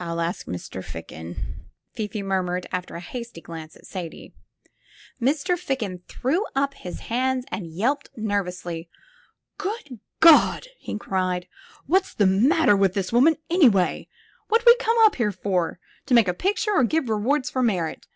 "I'll ask Mr. Ficken," Fifi murmured, after a hasty glance at Sadie. Mr. Ficken threw up his hands and yelped nervously. "Good God!" he cried, "what's the matter with the 192 THE FILM OF FATE woman, anyway T What'd we come up here fort To make a picture or give rewards for merit?